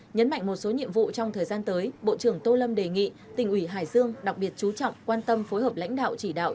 nhấn mạnh một số nhiệm vụ trong thời gian tới bộ trưởng tô lâm đề nghị tỉnh ủy hải dương đặc biệt chú trọng quan tâm phối hợp lãnh đạo chỉ đạo